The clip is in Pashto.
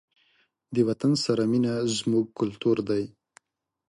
د وطن سره مینه زموږ کلتور دی.